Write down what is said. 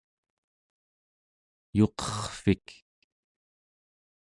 yuqerrvik